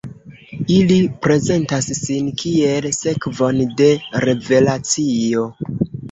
Ili prezentas sin kiel sekvon de revelacio.